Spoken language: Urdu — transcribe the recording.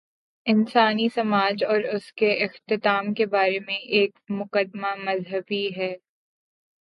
انسانی سماج اور اس کے اختتام کے بارے میں ایک مقدمہ مذہبی ہے۔